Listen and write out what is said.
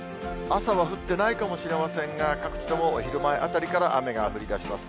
朝は降ってないかもしれませんが、各地ともお昼前あたりから雨が降りだします。